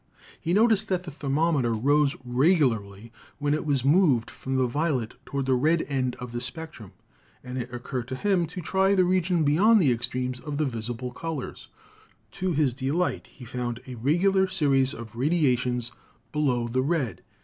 He noticed that the thermometer rose regularly when it was moved from the violet toward the red end of the spectrum, and it occurred to him to try the region be yond the extremes of the visible colors. To his delight he found a regular series of radiations below the red.